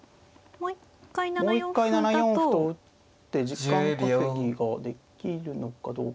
もう一回７四歩と打って時間稼ぎができるのかどうか。